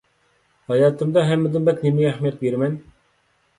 ھاياتىمدا ھەممىدىن بەك نېمىگە ئەھمىيەت بېرىمەن؟